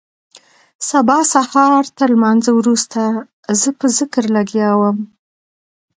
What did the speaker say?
سبا سهارتر لمانځه وروسته زه په ذکر لگيا وم.